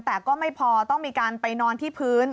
แต่ก็ไม่พอต้องมีการไปนอนที่พื้น